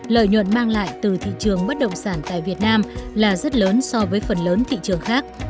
lợi nhuận mang lại từ thị trường bất động sản tại việt nam là rất lớn so với phần lớn thị trường khác